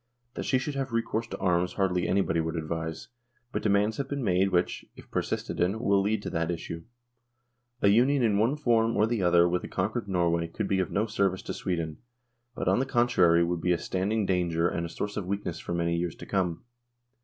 That she should have recourse to arms hardly anybody would advise ; but demands have been made which, if persisted in, will lead to that issue .... A Union in one form or the other with a conquered Norway could be of no service to Sweden, but on the contrary would be a standing danger and THE DISSOLUTION OF THE UNION 131 a source of weakness for many years to come.